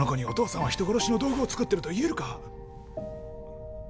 お父さんは人殺しの道具をつくってると言えるか？